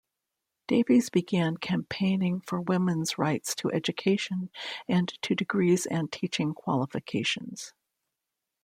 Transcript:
Davies began campaigning for women's rights to education and to degrees and teaching qualifications.